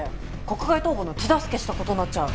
国外逃亡の手助けした事になっちゃう。